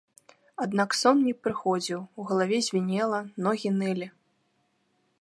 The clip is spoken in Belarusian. Аднак сон не прыходзіў, у галаве звінела, ногі нылі.